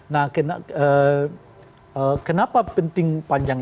nah kenapa penting panjang